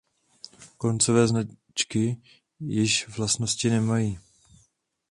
Koncové značky již vlastnosti nemají.